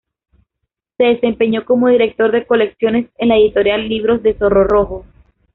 Se desempeñó como director de colecciones en la editorial Libros del Zorro Rojo.